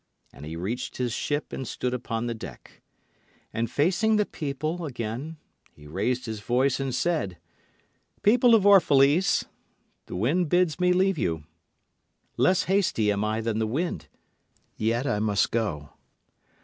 And he reached his ship and stood upon the deck. And facing the people again, he raised his voice and said: People of Orphalese, the wind bids me leave you. Less hasty am I than the wind, yet I must go.